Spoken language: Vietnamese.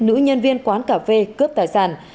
nữ nhân viên quán cà phê cướp tài sản